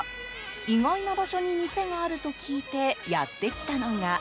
意外な場所に店があると聞いてやってきたのが。